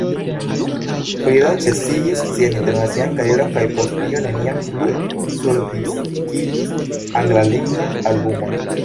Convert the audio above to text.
Frida ĉesigis sian internacian karieron kaj post tio neniam plu surdiskigis anglalingvan albumon.